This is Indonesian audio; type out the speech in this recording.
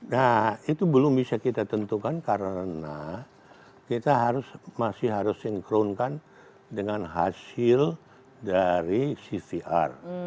nah itu belum bisa kita tentukan karena kita masih harus sinkronkan dengan hasil dari cvr